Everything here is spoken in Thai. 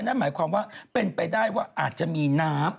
นั่นหมายความว่าเป็นไปได้ว่าอาจจะมีน้ำ